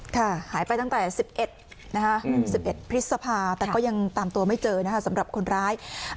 หายไปตั้งแต่๑๑นะคะ๑๑พฤษภาแต่ก็ยังตามตัวไม่เจอนะคะสำหรับคนร้าย